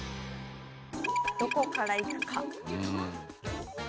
どこから行くか。